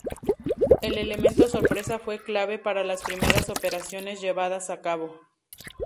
El elemento sorpresa fue clave para las primeras operaciones llevadas a cabo.